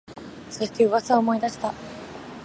そして、噂を思い出した